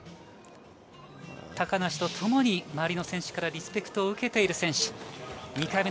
高梨とともに周りの選手からリスペクトを受ける選手。